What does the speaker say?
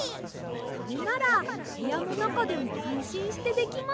それならへやのなかでもあんしんしてできます。